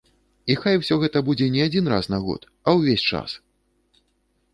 І хай усё гэта будзе не адзін раз на год, а ўвесь час!